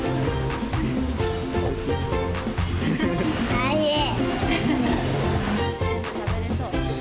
おいしい。